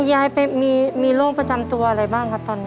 ยายไปมีโรคประจำตัวอะไรบ้างครับตอนนี้